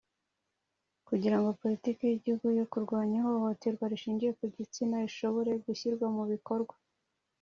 Kugira ngo Politiki y Igihugu yo Kurwanya ihohoterwa Rishingiye ku Gitsina ishobore gushyirwa mu bikorwa